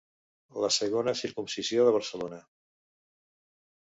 La segona circumcisió de Barcelona.